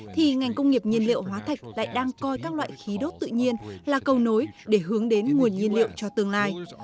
thì ngành công nghiệp nhiên liệu hóa thạch lại đang coi các loại khí đốt tự nhiên là cầu nối để hướng đến nguồn nhiên liệu cho tương lai